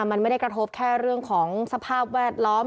มันไม่ได้กระทบแค่เรื่องของสภาพแวดล้อม